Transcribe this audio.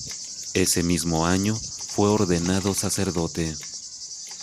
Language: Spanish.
Ese mismo año, fue ordenado sacerdote.